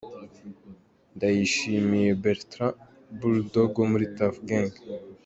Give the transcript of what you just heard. Ndayishimiye Bertrand: Bull Dogg wo muri Tuff Gangs.